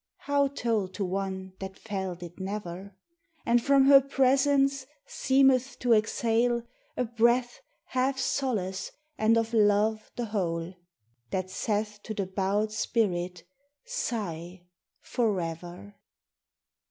how told to one that felt it never?) And from her presence seemeth to exhale A breath half solace and of love the whole, That saith to the bowed spirit 'Sigh!' forever.